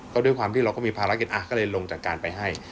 ก็ด้วยความที่เราก็มีภารกิจก็เลยลงจากการไปให้